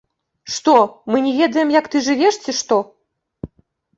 Што, мы не ведаем, як ты жывеш, ці што?